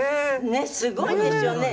ねえすごいですよね。